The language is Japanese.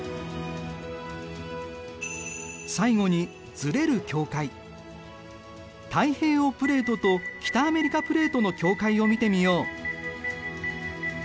最後に太平洋プレートと北アメリカプレートの境界を見てみよう。